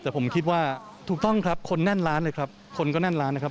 แต่ผมคิดว่าถูกต้องครับคนแน่นร้านเลยครับคนก็แน่นล้านนะครับ